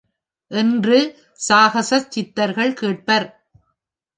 என்று சாகசச் சித்தர்கள் கேட்பர்.